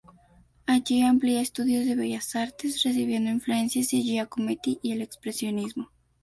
Allí amplía estudios de bellas artes, recibiendo influencias de Giacometti y del expresionismo.